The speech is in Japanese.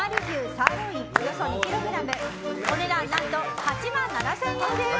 サーロインおよそ２ｋｇお値段何と８万７０００円です。